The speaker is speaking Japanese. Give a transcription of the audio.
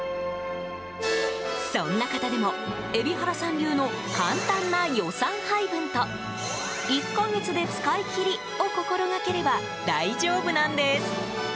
そんな方でも、海老原さん流の簡単な予算配分と１か月で使い切りを心がければ大丈夫なんです。